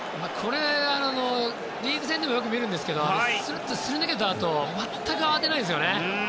リーグ戦でもよく見るんですがするっとすり抜けたあと全く慌てないんですよね。